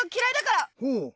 ほう。